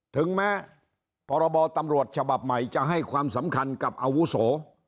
ถึงแม้พตฉใหม่จะให้ความสำคัญกับอาวุโส